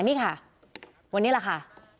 นี่ค่ะวันนี้แหละค่ะ